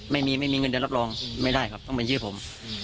ไม่มีไม่มีเงินเดือนรับรองไม่ได้ครับต้องเป็นชื่อผม